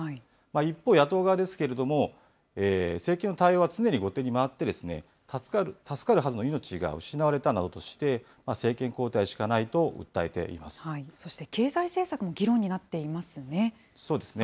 一方、野党側ですけれども、政権の対応は常に後手に回って、助かるはずの命が失われたなどとして、政権交代しかないと訴えてそして経済政策も議論になっそうですね。